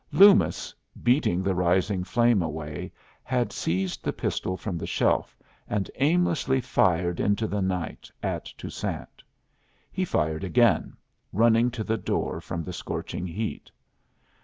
Loomis, beating the rising flame away, had seized the pistol from the shelf, and aimlessly fired into the night at Toussaint. He fired again, running to the door from the scorching heat.